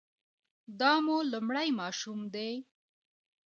دا مو لومړی ماشوم دی؟